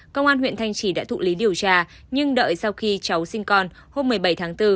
công an huyện thanh trì đã thụ lý điều tra nhưng đợi sau khi cháu sinh con hôm một mươi bảy tháng bốn